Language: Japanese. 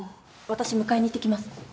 私迎えに行ってきます。